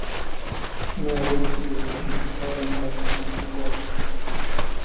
Nu avem nicio justificare în fața contribuabililor.